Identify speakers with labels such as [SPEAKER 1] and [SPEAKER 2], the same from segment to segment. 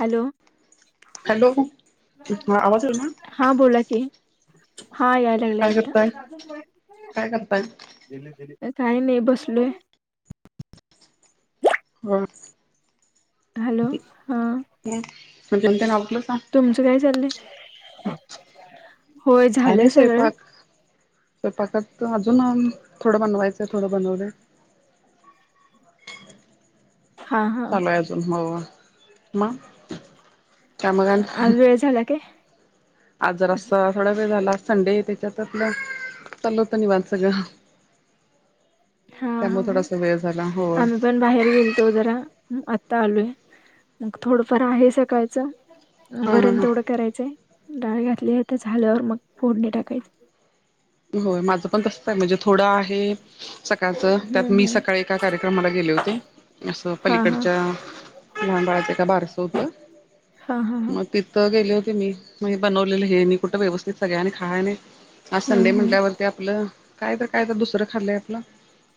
[SPEAKER 1] Hello.
[SPEAKER 2] Hello आवाज होल ना.
[SPEAKER 1] हा बोला की हा याय लागले
[SPEAKER 2] काय
[SPEAKER 1] आता.
[SPEAKER 2] करताय काय करताय
[SPEAKER 1] काही नाही बसलोय.
[SPEAKER 2] ह.
[SPEAKER 1] हॅलो हां.
[SPEAKER 2] ह जमते नागल का.
[SPEAKER 1] तुमचं काय चाललंय. होय झालंय
[SPEAKER 2] आणिनी
[SPEAKER 1] सगळं
[SPEAKER 2] सवपाक. तर पाकत अजून थोडं बनवायचंय थोडं बनवले.
[SPEAKER 1] हा हा
[SPEAKER 2] चालूय अजून हो म.
[SPEAKER 1] आज वेळ झाला काय?
[SPEAKER 2] आज जरा सा थोडा वेळ झाला संडे त्याच्यात आपलं चालतं होत निवांत सगळं.
[SPEAKER 1] हा हा
[SPEAKER 2] त्यामुळे
[SPEAKER 1] हा
[SPEAKER 2] थोडासा वेळ झाला होय
[SPEAKER 1] आम्ही पण बाहेर गेल तो जरा आत्ता आलोय मग थोडंफार आहे सकाळचं
[SPEAKER 2] हा हा
[SPEAKER 1] वरण
[SPEAKER 2] हा
[SPEAKER 1] तेवढं करायचंय डाळ घातली आहे तर झाल्यावर मग फोडणी टाकायची
[SPEAKER 2] होय माझं पण तसचं हाय म्हणजे थोडं आहे सकाळचं
[SPEAKER 1] हम्म
[SPEAKER 2] त्यात मी
[SPEAKER 1] हम्म
[SPEAKER 2] सकाळी एका कार्यक्रमाला गेले होते असं
[SPEAKER 1] हा हा
[SPEAKER 2] पलीकडच्या लहान बाळाचं एका बारसं होतं
[SPEAKER 1] हा हा हा
[SPEAKER 2] मग तिथं गेले होते मी मग बनवलेलं हे मी कुठं व्यवस्थित सगळ्या आणि खायय नाहीत
[SPEAKER 1] हम्म
[SPEAKER 2] संडे
[SPEAKER 1] हम्म
[SPEAKER 2] म्हटल्यावरती आपलं काय तर काय तर दुसरं खाल्लंय आपलं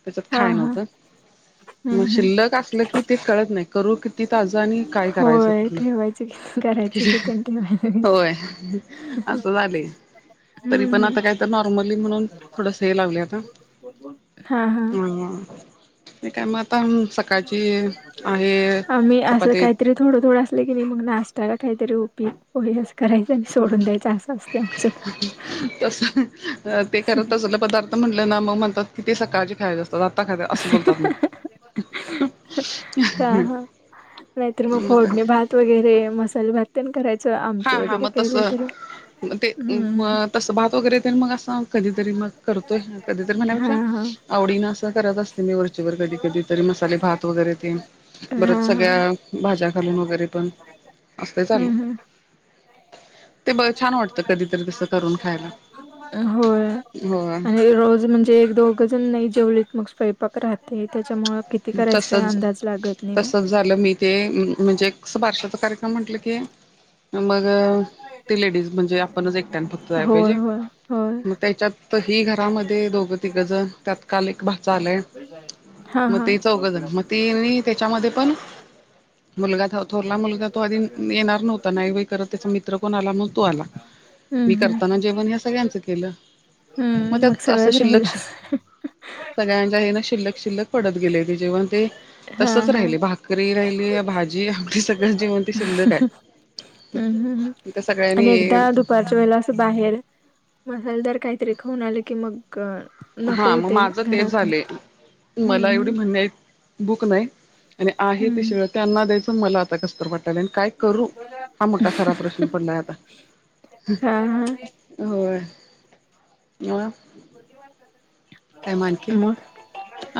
[SPEAKER 2] त्याच्यात
[SPEAKER 1] हा
[SPEAKER 2] खाय
[SPEAKER 1] हा
[SPEAKER 2] नव्हतं
[SPEAKER 1] हम्म
[SPEAKER 2] मग
[SPEAKER 1] हम्म
[SPEAKER 2] शिल्लक असल की ते कळत नाही करू किती ताज आणि काय करायचं
[SPEAKER 1] होय
[SPEAKER 2] कुठलं
[SPEAKER 1] ठेवायचं की करायचं
[SPEAKER 2] कि
[SPEAKER 1] की त्यां ठेवायला
[SPEAKER 2] होय असं झालंय तरी
[SPEAKER 1] हम्म
[SPEAKER 2] पण
[SPEAKER 1] हम्म
[SPEAKER 2] आता काय तर नॉर्मली म्हणून थोडस हे लावलय आता
[SPEAKER 1] हा हा
[SPEAKER 2] हम्म ते काय म आता सकाळची आहे
[SPEAKER 1] आम्ही असं
[SPEAKER 2] चपाती
[SPEAKER 1] काहीतरी थोडं थोडं असलं की नाही मग नाश्ता काहीतरी उपीट हो यस करायचं आणि सोडून द्यायचं असं असते आमचं
[SPEAKER 2] तस ते करत असलं पदार्थ म्हणले ना मग म्हणतात की ते सकाळचं खायाचं असतं आता खात्यात असं बोलतात मग
[SPEAKER 1] हा हा नाहीतर मग फोडणी भात वगैरे मसाले भात तेन करायचं आमटी
[SPEAKER 2] हा हा
[SPEAKER 1] वगैरे केलं
[SPEAKER 2] तसं
[SPEAKER 1] तर
[SPEAKER 2] मग ते म तस भात वगैरे मग असं कधीतरी मग करतोय कधीतरी
[SPEAKER 1] हा
[SPEAKER 2] म्हणण्यापेक्षा
[SPEAKER 1] हा
[SPEAKER 2] आवडीनं असं करत असते मी वरचेवरर कधी कधी तरी मसाले भात वगैरे ते
[SPEAKER 1] हा
[SPEAKER 2] परत
[SPEAKER 1] हा
[SPEAKER 2] सगळ्या भाज्या घालून वगैरे पण असतंय चालू
[SPEAKER 1] हम्म हम्म.
[SPEAKER 2] ते बघ छान वाटतं कधीतरी तसं करून खायला
[SPEAKER 1] होय
[SPEAKER 2] हो
[SPEAKER 1] आणि रोज म्हणजे एक दो घजण नाही जेवलीत मग स्वयपाक राहतय त्याच्यामुळ किती करायच काय
[SPEAKER 2] तसच
[SPEAKER 1] अंदाज लागत नाही मग
[SPEAKER 2] तसच झालं मी ते म्हणजे बारशाचा कार्यक्रम म्हटलं की मग ते लेडीज म्हणजे आपणच एकट्यानं फक्त जाया
[SPEAKER 1] होय
[SPEAKER 2] पाहिजे
[SPEAKER 1] होय होय
[SPEAKER 2] मग त्याच्यात ही घरामध्ये दोघं तिघं जण त्यात काल एक भाचा आलाय
[SPEAKER 1] हा
[SPEAKER 2] मग
[SPEAKER 1] हा
[SPEAKER 2] ते चौघं जण मग तेनी त्याच्यामध्ये पण मुलगा थोरला मुलगा तो आधी येणार नव्हता नाही होय करंत त्याचा मित्र कोण आला मग तो आला
[SPEAKER 1] हम्म
[SPEAKER 2] मी
[SPEAKER 1] हम्म.
[SPEAKER 2] करताना जेवण ह्या सगळ्यांचं केलं मग
[SPEAKER 1] हम्म
[SPEAKER 2] त्यात असं
[SPEAKER 1] सगळंच राहिल
[SPEAKER 2] शिल्लक सगळ्यांच्या हेनं शिल्लक शिल्लक केलय ते जेवन ते
[SPEAKER 1] हा
[SPEAKER 2] तसच
[SPEAKER 1] हा.
[SPEAKER 2] राहिले भाकरी राहिली भाजी आमटी सगळं जेवण ते शिल्लक आहे
[SPEAKER 1] हम्म हम्
[SPEAKER 2] त्या
[SPEAKER 1] आणि एकदा
[SPEAKER 2] सगळ्यांनी
[SPEAKER 1] दुपार च्या वेळेला अस बाहेर मसालेदार काहीतरी खाऊन आले की मग नको
[SPEAKER 2] हा मग
[SPEAKER 1] होते
[SPEAKER 2] माझं तेच
[SPEAKER 1] घरात
[SPEAKER 2] झाले मला एवढी
[SPEAKER 1] हम्म
[SPEAKER 2] म्हणन्या इतकी भुक नाही आणि आहे ते
[SPEAKER 1] हम्म
[SPEAKER 2] शिळं त्यांना द्यायचं मला आता कसतर वाटालय आणि काय करू हा मोठा खरा प्रश्न पडलाय आता
[SPEAKER 1] हा हा
[SPEAKER 2] होय म
[SPEAKER 1] [inaudible]
[SPEAKER 2] काय मा आणखी
[SPEAKER 1] मग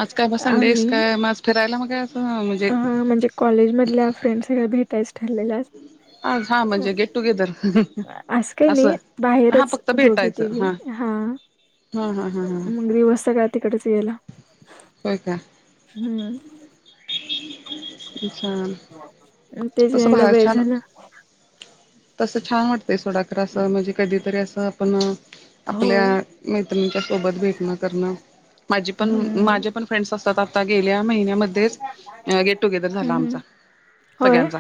[SPEAKER 2] आज काय ब संडेस
[SPEAKER 1] आम्ही
[SPEAKER 2] काय म आज फिरायला मग असं म्हणजे
[SPEAKER 1] कॉलेज मधल्या फ्रेंडस सगळ्या भेटायचं ठरलेलं आज
[SPEAKER 2] आज हा म्हणजे गेट टुगेदर
[SPEAKER 1] अस काय
[SPEAKER 2] असं
[SPEAKER 1] नाही
[SPEAKER 2] हा
[SPEAKER 1] बाहेरच
[SPEAKER 2] फक्त
[SPEAKER 1] दोघी
[SPEAKER 2] भेटायचं
[SPEAKER 1] तिघी
[SPEAKER 2] हा हा हा हा हा
[SPEAKER 1] मग दिवस सगळा तिकडंच गेला
[SPEAKER 2] होय का छान
[SPEAKER 1] मग तेच
[SPEAKER 2] तसं
[SPEAKER 1] यायला
[SPEAKER 2] बाहेर
[SPEAKER 1] वेळ
[SPEAKER 2] छान
[SPEAKER 1] झाला
[SPEAKER 2] तस छान वाटतंय सोडा खरं असं म्हणजे कधीतरी असं आपण आपल्या
[SPEAKER 1] होय
[SPEAKER 2] मैत्रिणीच्या सोबत भेटणं करणं माझी पण
[SPEAKER 1] हम्म
[SPEAKER 2] माझे पण फ्रेंड्स असतात, आता गेल्या महिन्यामध्येच अ गेट टुगेदर झाला आमचा
[SPEAKER 1] हम्म होय
[SPEAKER 2] सगळ्यांचा.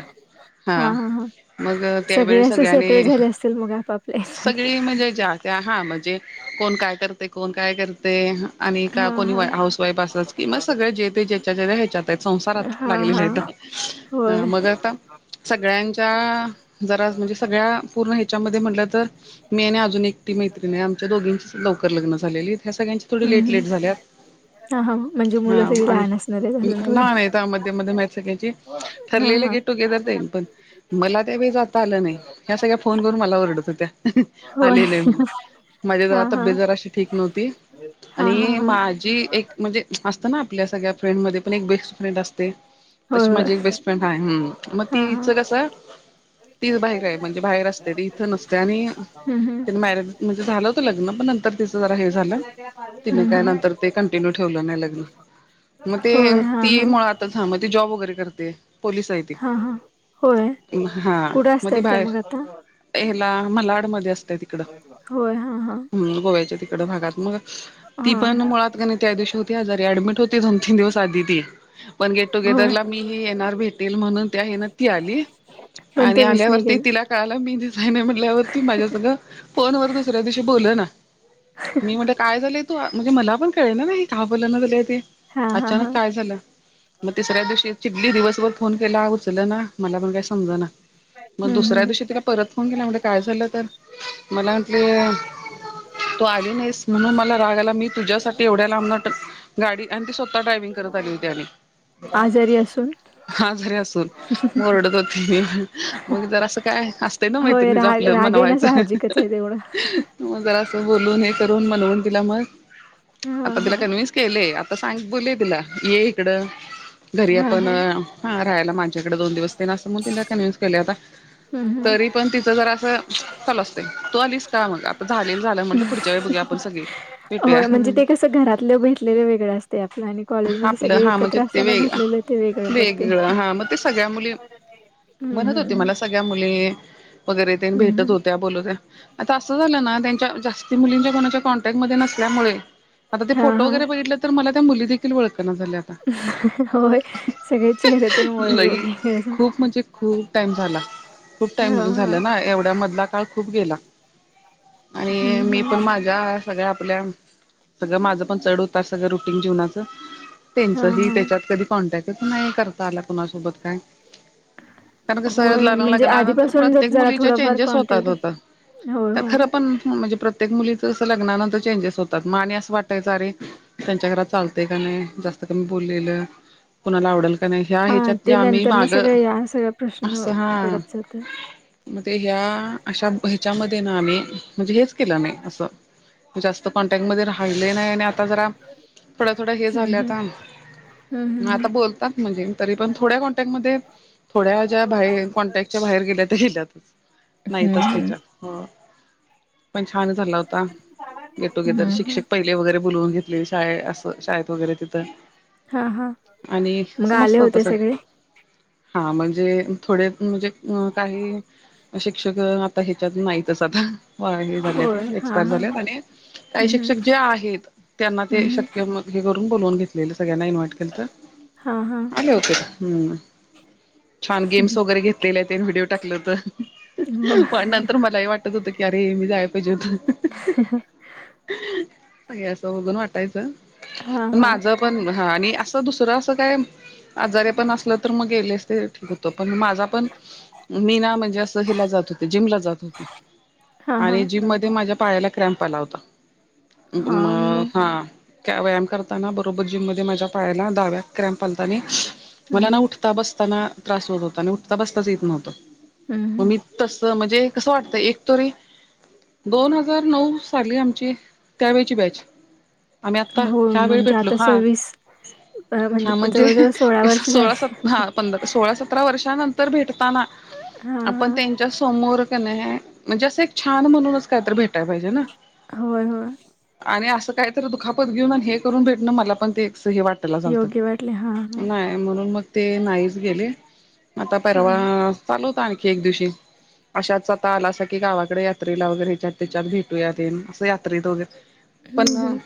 [SPEAKER 1] हा हा हा.
[SPEAKER 2] मग
[SPEAKER 1] सगळे
[SPEAKER 2] त्यावेळी
[SPEAKER 1] असं सेटल
[SPEAKER 2] सगळ्यांनी
[SPEAKER 1] झाले असतील, मग आपापल्या हेच्यात?
[SPEAKER 2] सगळी म्हणजे ज्या त्या हा म्हणजे कोण काय करतय? कोण काय करतय? हा आणि का
[SPEAKER 1] हा
[SPEAKER 2] कोणी
[SPEAKER 1] हा.
[SPEAKER 2] वा हाऊस वाईफ असच कि, म सगळे जे ते जेच्या जेच्या हेच्यात हाईत. संसारात
[SPEAKER 1] हा
[SPEAKER 2] लागलेले
[SPEAKER 1] हा
[SPEAKER 2] आहेत,
[SPEAKER 1] होय
[SPEAKER 2] हा मग आता सगळ्यांच्या जरा असं म्हणजे सगळ्या पूर्ण हेच्यामध्ये म्हणलं तर मी आणि अजून एकटी मैत्रिण हाय आमच्या दोघींचीच लवकर लग्न झालेलीत, ह्या सगळ्यांची थोडी
[SPEAKER 1] हम्म
[SPEAKER 2] लेट लेट
[SPEAKER 1] हम्म.
[SPEAKER 2] झाल्यात
[SPEAKER 1] हा हा म्हणजे मुलं
[SPEAKER 2] हा
[SPEAKER 1] सगळी
[SPEAKER 2] आणि
[SPEAKER 1] [unintelligible]
[SPEAKER 2] नाही त्या मध्ये मध्ये म माहीत सगळ्याची
[SPEAKER 1] हा
[SPEAKER 2] ठरलेले
[SPEAKER 1] हा
[SPEAKER 2] गेट टुगेदर देईन पण मला त्यावेेळी जाता आलं नाई, ह्या सगळ्या फोन करून मला ओरडत होत्या
[SPEAKER 1] होय
[SPEAKER 2] आली नाही म्हणून. माझी
[SPEAKER 1] हा
[SPEAKER 2] जरा
[SPEAKER 1] हा.
[SPEAKER 2] तब्ये जराशी ठीक नव्हती
[SPEAKER 1] हा हा
[SPEAKER 2] आणि
[SPEAKER 1] हा
[SPEAKER 2] माझी एक म्हणजे असतं ना आपल्या सगळ्या फ्रेंडमध्ये पण एक बेस्ट फ्रेंड असते,
[SPEAKER 1] होय
[SPEAKER 2] तशी
[SPEAKER 1] होय
[SPEAKER 2] माझी एक बेस्ट फ्रेंड हाय हम्म म
[SPEAKER 1] हा हा.
[SPEAKER 2] तीच कसं तीच बाहीर हाय म्हणजे बाहेर असते ती इथं नसते आणि
[SPEAKER 1] हम्म हम्म.
[SPEAKER 2] तीनं मॅरेज म्हणजे झालं होत लग्न, पण नंतर तिचं जरा हे झालं‌. तीनं
[SPEAKER 1] हम्म
[SPEAKER 2] काय
[SPEAKER 1] हम्म
[SPEAKER 2] नंतर ते कंटिन्यू ठेवलं नाई लग्न. मग ते
[SPEAKER 1] होय हा
[SPEAKER 2] ती
[SPEAKER 1] हा
[SPEAKER 2] मुळ आता था म ती जॉब वगैरे करते, पोलिस हाय
[SPEAKER 1] हा हा. होय, कुठं असत्यात त्या मग आता?
[SPEAKER 2] हेला म्हलाडमध्ये असत्या तिकडं
[SPEAKER 1] होय हा हा
[SPEAKER 2] हम्म गोव्याच्या तिकडं भागात म
[SPEAKER 1] हा.
[SPEAKER 2] ती पण
[SPEAKER 1] हा.
[SPEAKER 2] मुळात कने त्या दिवशी होती आजारी, ऍडमिट होती दोन तीन दिवस आधी ती. पण गेट
[SPEAKER 1] होय
[SPEAKER 2] टुगेदरला मी ही येणार भेटेल म्हणून त्या हेनं ती आली
[SPEAKER 1] पण
[SPEAKER 2] आणि
[SPEAKER 1] तुम्हीच नाही गेला
[SPEAKER 2] आल्यावरती तिला त्यावेळेला मी दिसाय नाही म्हणल्यावरती, माझ्या संग फोन वर दुसऱ्या दिवशी बोलनां. मी म्हणल काय झालंय तू अ म्हणजे मला पण कळे‌ना ही का बोलना झालीये ते.
[SPEAKER 1] हा हा
[SPEAKER 2] अचानक
[SPEAKER 1] हा
[SPEAKER 2] काय झालं मग तिसऱ्या दिवशी चिडली दिवसभर फोन केला, उचलना मला पण काय समजना. मग
[SPEAKER 1] हम्म
[SPEAKER 2] दुसऱ्या
[SPEAKER 1] हम्म.
[SPEAKER 2] दिवशी तिला परत फोन केला, म्हणलं काय झालं? तर मला म्हंटली तू आली नाहीस म्हणून मला राग आला. मी तुझ्यासाठी एवढ्या लांबन ट गाडी आणि ती स्वतः ड्रायविंग करत आली होती आणि.
[SPEAKER 1] आजारी असून?
[SPEAKER 2] आजारी असून म ओरडत होती, मग जर असं काय असतय ना
[SPEAKER 1] होय
[SPEAKER 2] मैत्रिणीच
[SPEAKER 1] राग
[SPEAKER 2] आपलं
[SPEAKER 1] रागेन
[SPEAKER 2] मनवायचं.
[SPEAKER 1] साहजिकच हाय तेवढं.
[SPEAKER 2] म जरा असं बोलून हे करून मनवून तिला मग
[SPEAKER 1] हा
[SPEAKER 2] आता तिला
[SPEAKER 1] हा
[SPEAKER 2] कन्व्हिन्स केले आता सांग बोलिये तिला ये इकडं घरी
[SPEAKER 1] हा
[SPEAKER 2] आपण
[SPEAKER 1] हा
[SPEAKER 2] हा राहायला माझ्याकडं दोन दिवस तेन असं म तिला कन्व्हिन्स केलय आता.
[SPEAKER 1] हम्म हम्म
[SPEAKER 2] तरी पण तिचं जरा असं चालु असतंय, तू आलीस का? मग आता झालेल झालं म्हटलं पुढच्या वेळी बघूया पण सगळे भेटूया
[SPEAKER 1] असं घरातल [unintelligible] लई वे-वेगळे असतय आपलं आणि कॉलेज मध्ये
[SPEAKER 2] आपलं
[SPEAKER 1] सगळे
[SPEAKER 2] हा म्हणजे
[SPEAKER 1] एकत्र
[SPEAKER 2] ते
[SPEAKER 1] असताना
[SPEAKER 2] वेग
[SPEAKER 1] भेटलेलं ते वेगळं पडतंय.
[SPEAKER 2] हा मग ते सगळ्या मुली
[SPEAKER 1] हम्म
[SPEAKER 2] म्हणत
[SPEAKER 1] हम्म
[SPEAKER 2] होती
[SPEAKER 1] हम्म.
[SPEAKER 2] मला सगळ्या मुली वगैरे तेन भेटत
[SPEAKER 1] हम्म
[SPEAKER 2] होत त्या बोलते आता असं झालं ना, त्यांच्या जास्ती मुलींच्या कोणाच्या कॉन्टॅक्ट मध्ये नसल्यामुळे आता ते
[SPEAKER 1] हा
[SPEAKER 2] फोटो
[SPEAKER 1] हा
[SPEAKER 2] वगैरे बघितलं तर मला त्या मुली देखील वळखना झाल्यात.
[SPEAKER 1] होय सगळे चेहऱ्यातून ओळख
[SPEAKER 2] लई
[SPEAKER 1] वेगळेच
[SPEAKER 2] खूप म्हणजे खूप टाइम झाला. खूप
[SPEAKER 1] हा
[SPEAKER 2] टाइमिंग
[SPEAKER 1] हा
[SPEAKER 2] झालं ना एवढ्या मधला काळ खूप गेला आणि
[SPEAKER 1] हम्म
[SPEAKER 2] मी
[SPEAKER 1] हम्म
[SPEAKER 2] पण माझ्या सगळं आपल्या सगळं माझं पण चढ उतार सगळं रुटीन जीवनाचं त्यांच
[SPEAKER 1] हा
[SPEAKER 2] ह
[SPEAKER 1] हा
[SPEAKER 2] त्याच्यात कधी कॉन्टॅक्टच नाही करता आला कुणासोबत काय. कारण कस
[SPEAKER 1] होय
[SPEAKER 2] लग्ना
[SPEAKER 1] म्हणजे
[SPEAKER 2] लग्नानंतर
[SPEAKER 1] आधीपासून जर
[SPEAKER 2] प्रत्येक
[SPEAKER 1] जरा
[SPEAKER 2] मुलीच्यात
[SPEAKER 1] थोडाफार
[SPEAKER 2] चेंजेस होतात
[SPEAKER 1] कॉन्टॅक्ट
[SPEAKER 2] होता.
[SPEAKER 1] होय
[SPEAKER 2] तर
[SPEAKER 1] होय
[SPEAKER 2] खरं पण म्हणजे प्रत्येक मुलीच अस लग्नानंतर चेंजेस होतात म आणी असं वाटायचं अरे च घरात चालते का नाही जास्त कमी बोललेलं‌. कुणाला आवडेल का नाही ह्या
[SPEAKER 1] हां,
[SPEAKER 2] ह्याच्यात
[SPEAKER 1] ते
[SPEAKER 2] मी
[SPEAKER 1] नंतर ना
[SPEAKER 2] माग
[SPEAKER 1] सगळे या सगळा प्रश्न
[SPEAKER 2] अस हा
[SPEAKER 1] पडत जातं.
[SPEAKER 2] म्हणजे ह्या अशा ह्याच्यामध्ये ना आम्ही म्हणजे हेच केलं नाही असं जास्त कॉन्टॅक्ट मध्ये राहिले नाही आणि आता जरा थोड्या थोड्या हे
[SPEAKER 1] हं,
[SPEAKER 2] झाल्या
[SPEAKER 1] हं. हं,
[SPEAKER 2] आता
[SPEAKER 1] हं,
[SPEAKER 2] आता
[SPEAKER 1] हं.
[SPEAKER 2] बोलतात म्हणजे तरी पण थोड्या कॉन्टॅक्ट मध्ये थोड्या ज्या बाहेर कॉन्टॅक्टच्या बाहेर गेल्या तर गेल्यातच
[SPEAKER 1] हं,
[SPEAKER 2] नाहीतच
[SPEAKER 1] हं.
[SPEAKER 2] त्याच्या हो पण छान झाला होता गेट टुगेदर
[SPEAKER 1] हं, हं.
[SPEAKER 2] शिक्षक पहिले वगैरे बुोलवून घेतले शाळेत असं शाळेत वगैरे तिथं
[SPEAKER 1] हां, हां.
[SPEAKER 2] आणि
[SPEAKER 1] मग आले
[SPEAKER 2] समजत होत
[SPEAKER 1] होते
[SPEAKER 2] सग
[SPEAKER 1] सगळे?
[SPEAKER 2] हा म्हणजे थोड म्हणजे काही शिक्षक आता ह्याच्यात नाहीतच आता हे झाले
[SPEAKER 1] होय. हां,
[SPEAKER 2] एक्सपायर
[SPEAKER 1] हां.
[SPEAKER 2] झाल्यात आणि काही
[SPEAKER 1] हं, हं.
[SPEAKER 2] शिक्षक जे आहेत त्यांना
[SPEAKER 1] हं,
[SPEAKER 2] ते
[SPEAKER 1] हं.
[SPEAKER 2] शक्य मग हे करून बोलवून घेतलेलं सगळ्यांना इनव्हाट केलंत
[SPEAKER 1] हा हा
[SPEAKER 2] हम्म छान गेम्स वगैरे घेतलेले ते व्हिडिओ टाकलंत
[SPEAKER 1] हो.
[SPEAKER 2] पण नंतर मलाही वाटत होतं की अरे मी जाय पाहिजे होत असं बघून वाटायचं
[SPEAKER 1] हां,
[SPEAKER 2] पण
[SPEAKER 1] हां.
[SPEAKER 2] माझ पण हा आणि असं दुसरं असं काय आजारे पण असल तर मग गेलेस ते ठीक होतं पण माझा पण मी ना म्हणजे असं हिला जात होते जिमला जात होते
[SPEAKER 1] हां, हां.
[SPEAKER 2] आणि जिम मध्ये माझ्या पायाला क्रॅम्प आला होता मग हा व्यायाम करताना बरोबर जिम मध्ये माझ्या पायाला डाव्या क्रॅम्प पायाला
[SPEAKER 1] हं,
[SPEAKER 2] मला ना उठ
[SPEAKER 1] हं.
[SPEAKER 2] उठता बसताना त्रास होत होता आणि उठता बसताच येत नव्हतं
[SPEAKER 1] हं,
[SPEAKER 2] मग
[SPEAKER 1] हं.
[SPEAKER 2] मी तस म्हणजे कसं वाटतं एक तरी दोन हजार नऊ साली आमची त्यावेळेची बॅच आम्ही आता
[SPEAKER 1] हो,
[SPEAKER 2] ह्या वेळी
[SPEAKER 1] म्हणजे
[SPEAKER 2] भेटलो
[SPEAKER 1] आता
[SPEAKER 2] हा
[SPEAKER 1] अ,
[SPEAKER 2] हा म्हणजे
[SPEAKER 1] जवळ-जवळ वर्ष
[SPEAKER 2] सोळा
[SPEAKER 1] झाले.
[SPEAKER 2] स ह सोळा सतरा वर्षानंतर भेटताना
[SPEAKER 1] हां,
[SPEAKER 2] आपण
[SPEAKER 1] हां.
[SPEAKER 2] समोर क नाही म्हणजे असं एक छान म्हणूनच कायत भेटय पाहिजे ना
[SPEAKER 1] होय होय.
[SPEAKER 2] आणि असं काहीतरी दुखापत घेऊन आणि हे करून भेटणं मला पण ते हे वाटत
[SPEAKER 1] योग्य वाटले. हां,
[SPEAKER 2] [inaudible]
[SPEAKER 1] हां.
[SPEAKER 2] म्हणून मग ते नाहीच गेले मग आता परवा
[SPEAKER 1] हां.
[SPEAKER 2] चालू होता आणखी एक दिवशी अशाच आता आला अस की गावाकडे यात्रेला वगैरे ह्याच्यात त्याच्यात भेटूया तेनं असं यात्रेत वगैरे पण
[SPEAKER 1] हं, हं.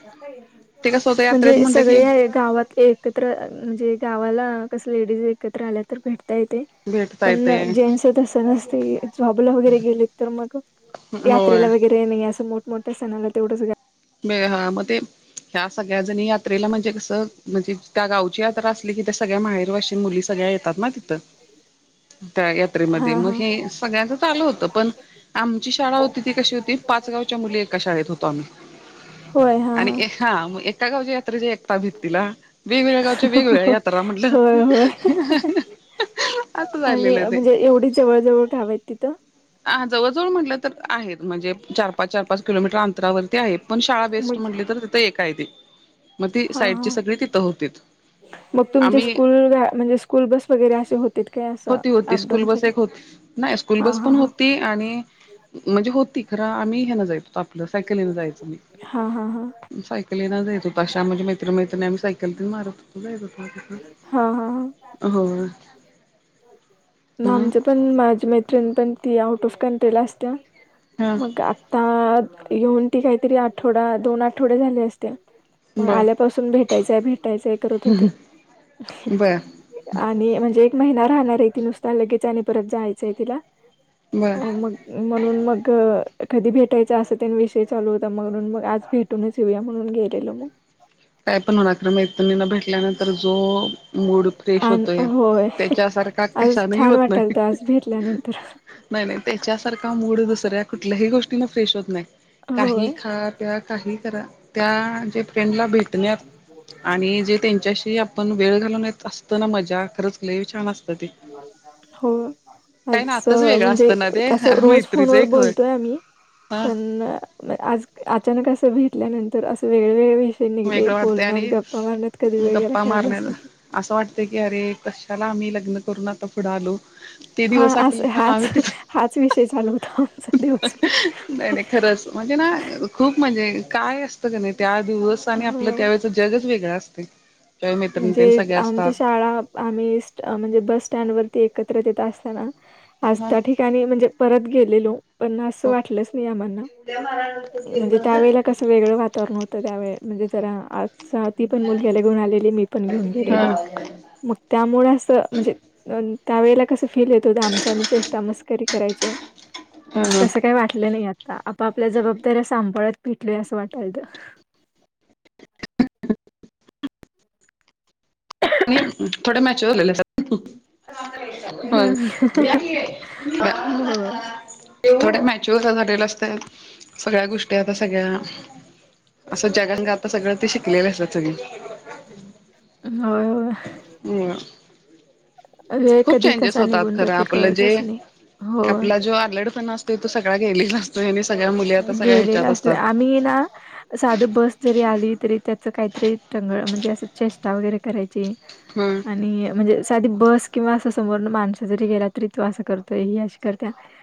[SPEAKER 2] ते कसं होतं यात्रेत
[SPEAKER 1] म्हणजे
[SPEAKER 2] म्हणलं की
[SPEAKER 1] सगळे गावात एकत्र म्हणजे गावाला कस लेडीज एकत्र आल्या तर भेटता येते
[SPEAKER 2] भेटता
[SPEAKER 1] पण
[SPEAKER 2] येते
[SPEAKER 1] जेंट्स तसं नसतय जॉबला वगैरे गेलेत तर मग
[SPEAKER 2] हम होम
[SPEAKER 1] वगैरे नाही असं मोठमठ्या सणाला तेवढं
[SPEAKER 2] हा म ते ह्या सगळ्या जणी यात्रेला म्हणजे कसं म्हणजे त्या गावची यात्रा असली की त्या सगळ्या माहेरवाशीन मुली सगळ्या येत ना तिथं त्या
[SPEAKER 1] हा हा
[SPEAKER 2] हे सगळ्यांच आल होत पण आमची शाळा होती ती कशी होती पाच गावच्या मुली शाळेत होतो आम्ही
[SPEAKER 1] होय हा
[SPEAKER 2] आणि एका एका गावच्या यात्रेची एकता भीतीला वेगवेगळ्या गावचे वेगवेगळ्या
[SPEAKER 1] हा
[SPEAKER 2] यात्रा म्हटल
[SPEAKER 1] होय होय
[SPEAKER 2] [inaudible]
[SPEAKER 1] आणि म्हणजे एवढी जवळ जवळ घावय तिथं?
[SPEAKER 2] हा जवळजवळ म्हटलं तर आहेत म्हणजे चार पाच चार पाच किलोमीटर अंतर ते आहे पण शाळा बेस्ट
[SPEAKER 1] मग
[SPEAKER 2] म्हटली तर तिथं एक आहे ते मग ती
[SPEAKER 1] हा
[SPEAKER 2] साईडची
[SPEAKER 1] हा
[SPEAKER 2] सगळी तिथं होते.
[SPEAKER 1] मग तुमचे स्कूल म्हणजे स्कूल बस वगैरे असे होते काय असं
[SPEAKER 2] होती होती स्कूल
[SPEAKER 1] अपडाऊन
[SPEAKER 2] बस
[SPEAKER 1] साठी?
[SPEAKER 2] एक होती नाही स्कूल
[SPEAKER 1] हा
[SPEAKER 2] बस
[SPEAKER 1] हा
[SPEAKER 2] पण
[SPEAKER 1] हा
[SPEAKER 2] होती आणि म्हणजे होती खरा आम्ही हन जायच. हो आपलं सायकलीन जायचो.
[SPEAKER 1] हा हा हा
[SPEAKER 2] सायकलीनाचेतो अशा म्हणज मैत्रिणी मैतिणी आम्ही सायकल घेऊन मारत
[SPEAKER 1] हा हा
[SPEAKER 2] हो
[SPEAKER 1] हा
[SPEAKER 2] ह.
[SPEAKER 1] आमचं पण माझी मैत्रिणी पण ती आउट ऑफ कंट्री ला असते.
[SPEAKER 2] हा
[SPEAKER 1] आ येऊन ती काहीतरी आठवडा दोन आठवड्या झाले असते. मग
[SPEAKER 2] बर
[SPEAKER 1] आल्यापासून भेटायचंय भेटायचंय करत होते.
[SPEAKER 2] बरं
[SPEAKER 1] आणि म्हणजे एक महिना राहणार आहे ती नुसता लगेच आणि परत जायचंय तिला.
[SPEAKER 2] बर
[SPEAKER 1] आ मग म्हणून मग कधी भेटायच अस त्या विषय चालू होता म्हणून मग आज भेट. कून येेऊ म्हणून गेलेलो मग
[SPEAKER 2] काय पण मैत्रिणीला भेटल्यानंतर जो भ मूड फ्रेश
[SPEAKER 1] आणि
[SPEAKER 2] होतोय
[SPEAKER 1] होय
[SPEAKER 2] त्याच्यासारखा
[SPEAKER 1] आज
[SPEAKER 2] कशानही
[SPEAKER 1] छान
[SPEAKER 2] होत
[SPEAKER 1] वाटाल
[SPEAKER 2] नाही.
[SPEAKER 1] तर आज भेटल्यानंतर
[SPEAKER 2] नाही नाही त्याच्यासारखा मूड दुसऱ्या कुठल्याही गोष्टी न फ्रेश होत नाही. काही
[SPEAKER 1] होय
[SPEAKER 2] खा प्या काही करा त्या जे फ्रेंडला भेट ण्यात आणि जे त्यांच्याशी आपण वेळ घालून येत अस. असत ना मजा खरंच केले छान असत ती
[SPEAKER 1] हो. आज
[SPEAKER 2] नातच वेगळं
[SPEAKER 1] म्हणजे
[SPEAKER 2] असतं ना ते
[SPEAKER 1] तस रोज
[SPEAKER 2] मैत्रीच
[SPEAKER 1] फोनवर
[SPEAKER 2] एक होय
[SPEAKER 1] बोलतोय आम्ही
[SPEAKER 2] हा
[SPEAKER 1] पण म आज अचानक असं भेटल्यानंतर असं वेगळेवेगळे ते निघले
[SPEAKER 2] वेगळं वाटतंय
[SPEAKER 1] बोलण्यात
[SPEAKER 2] आणि
[SPEAKER 1] गप्पा मारण्यात कधी वेळ गेयला
[SPEAKER 2] गप्पा
[SPEAKER 1] कळालाच
[SPEAKER 2] मारण्यात
[SPEAKER 1] नाही.
[SPEAKER 2] असं वाटतय की अरे कशाला आम्ही लग्न करून आता पुढे आलो. ते
[SPEAKER 1] हा
[SPEAKER 2] दिवस आठवले
[SPEAKER 1] असं
[SPEAKER 2] का
[SPEAKER 1] हाच
[SPEAKER 2] आम्ही तिथं
[SPEAKER 1] हाच विषय चालू होताो आमचा. दिवसभर.
[SPEAKER 2] नाही नाही खरच म्हणजे ना खूप म्हणजे काय असत. नाही त्या दिवस
[SPEAKER 1] अ
[SPEAKER 2] आणि आपलं त्यावेळेच जगच वेगळा असते.
[SPEAKER 1] म्हणजे आमच्या शाळा. आम्ही म्हणजे बस स्टँड वरती एकत्र येत असताना
[SPEAKER 2] हा
[SPEAKER 1] आजता ठीक. नी म्हणजे परत गेलेलो. पण असं
[SPEAKER 2] हो.
[SPEAKER 1] वाटलंच मी आम्हाना म्हणजे त्यावेेळेला कस वेगळं वातावरण होत. तर त्यावे म्हणजे जरा आ ती पण मुलग्याला घेऊन आलेली मी पण
[SPEAKER 2] हा
[SPEAKER 1] घेऊन गेलेलो.
[SPEAKER 2] हा
[SPEAKER 1] मग त्यामुळे असं म्हणजे अ त्यावेेळेला कसं फील येत होत आमचा आम्ही चेष्टा मस्करी करायचो
[SPEAKER 2] हा
[SPEAKER 1] तसं काही वाटलं नाही आत आप आपल्या जबाबदाऱ्या सांभाळत भेटलो असं वाटायलत
[SPEAKER 2] आणि थोड्या मॅचवरवरलेले हो.
[SPEAKER 1] हो
[SPEAKER 2] थोड्या मॅच्युअर झालेले असत सगळ्या गोष्टी आता सगळ्या असं जगात सगळं ते शिकलेले असतात सग
[SPEAKER 1] होय होय.
[SPEAKER 2] मग
[SPEAKER 1] वेळ
[SPEAKER 2] खूप
[SPEAKER 1] कधी
[SPEAKER 2] चेंजेस
[SPEAKER 1] कसा
[SPEAKER 2] होतात
[SPEAKER 1] निघून
[SPEAKER 2] खरं
[SPEAKER 1] जाते
[SPEAKER 2] आपलं जे
[SPEAKER 1] कळतच नाही होय
[SPEAKER 2] अल्लडपणा असतो. ते त सग्या गेलेला नतो आणि सगळ्या मुली आता सगळ्या ह्याच्यात असतात.
[SPEAKER 1] मीना साध बस जरी आली तरी त्याच काहीतरी टंगळ म्हणजे असं चेष्टा वगैरे करायची.
[SPEAKER 2] हम्
[SPEAKER 1] आणि म्हणजे साधी बस किंवा असं समोर माणसं जरी गेला तरी तू असं करतोय ही अशी करत्या.